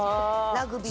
ラグビー？